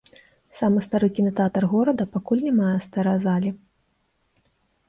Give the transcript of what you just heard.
Самы стары кінатэатр горада пакуль не мае стэрэазалі.